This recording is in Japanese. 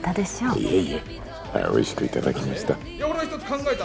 いえいえおいしくいただきました・